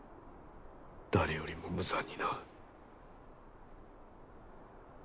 誰よりも無残にな。